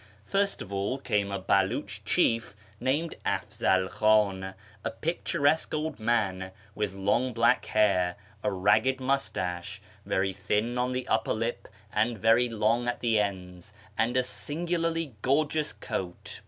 First of all came a Beliich chief named Afzal Khan, a picturesque old man with long black hair, a ragged moustache, very thin on the upper lip and very long at the ends, and a singularly gorgeous coat.